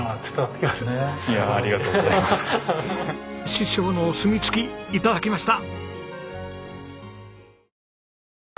師匠のお墨付き頂きました！